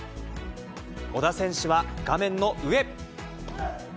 小田選手は画面の上。